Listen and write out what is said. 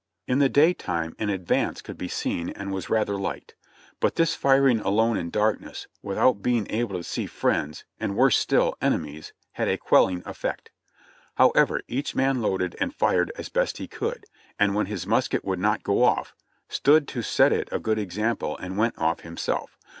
In the day time an advance could be seen and was rather liked; but this firing alone in darkness, without being able to see friends, and worse still — enemies, had a quelling effect. However, each man loaded and fired as best he could, and when his musket would not go off, stood to set it a good example and went off himself.